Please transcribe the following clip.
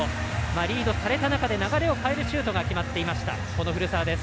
リードされた中で流れを変えるシュートが決まっていました、古澤です。